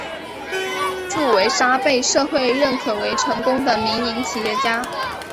祝维沙被社会认可为成功的民营企业家。